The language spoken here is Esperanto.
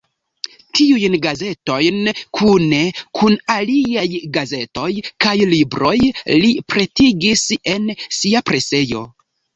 Tiujn gazetojn kune kun aliaj gazetoj kaj libroj li pretigis en sia presejo.